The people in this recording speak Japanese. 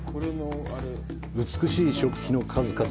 美しい食器の数々。